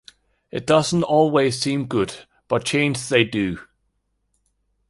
It doesn't always seem good, but change they do.